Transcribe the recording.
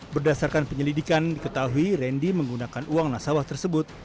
berdasarkan penyelidikan diketahui randy menggunakan uang nasabah tersebut